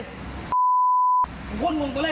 ผมก็งงตัวแรก